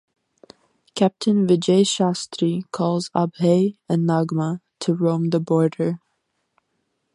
Captain Vijay Shastri calls Abhay and Nagma to roam the border.